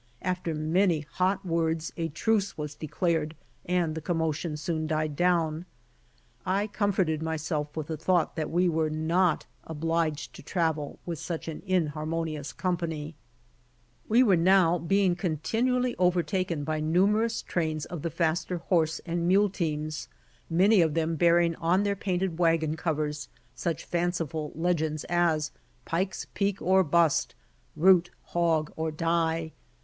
After many hot words, a truce was declared and the commotion soon died down. I com forted myself with the thought that we were not obliged to travel with such an inharmonious company. We were now being continually overtaken by FELLOW EMIGRANTS 21 numerous trains of the faster horse and mule teams, many of them bearing on their painted wagon covers such fanciful legends as "Pike's Peak or Bust," "Root Hog or Die."